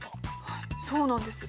はいそうなんです。